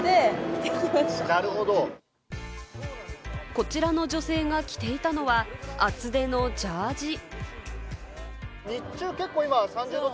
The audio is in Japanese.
こちらの女性が着ていたのは、厚手のジャージー。